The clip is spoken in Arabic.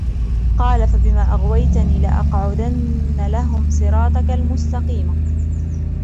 قَالَ فَبِمَا أَغْوَيْتَنِي لَأَقْعُدَنَّ لَهُمْ صِرَاطَكَ الْمُسْتَقِيمَ